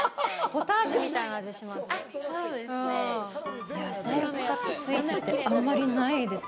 ポタージュみたいな味がします。